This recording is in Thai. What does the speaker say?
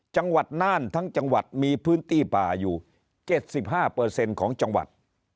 จังหวัดน่านทั้งจังหวัดมีพื้นที่ป่าอยู่๗๕ของจังหวัด